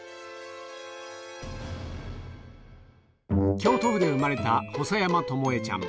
京都府で生まれた細山巴ちゃん。